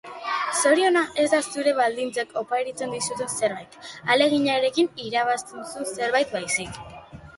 Zoriona ez da zure baldintzek oparitzen dizuten zerbait, ahaleginarekin irabazten duzun zerbait, baizik.